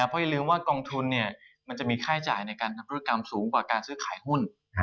เพราะอย่าลืมว่ากองทุนมันจะมีค่าจ่ายในการทำธุรกรรมสูงกว่าการซื้อขายหุ้น